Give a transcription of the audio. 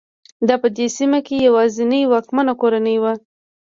دا په دې سیمه کې یوازینۍ واکمنه کورنۍ وه.